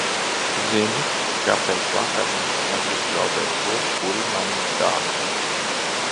Zini, ka pēc vakarnakts negribu zaudēt tos, kuri man dārgi.